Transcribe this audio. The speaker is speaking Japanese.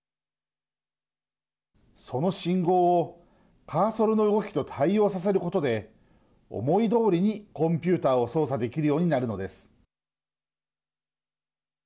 その信号をカーソルの動きと対応させることで思いどおりにコンピューターを操作できるようになるのです。